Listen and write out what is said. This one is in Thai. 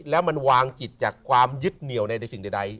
แล้วมันวางจิตจากความยึดเหนี่ยวในสิ่งใด